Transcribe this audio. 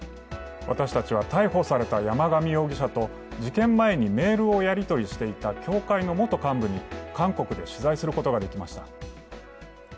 私たちは逮捕された山上容疑者と事件前にメールをやり取りしていた教会の元幹部に韓国で取材することができました。